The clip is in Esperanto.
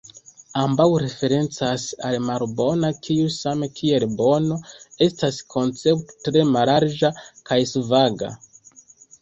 Ambaŭ referencas al malbono, kiu same kiel bono, estas koncepto tre mallarĝa kaj svaga.